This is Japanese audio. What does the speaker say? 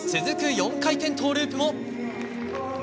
４回転トウループも。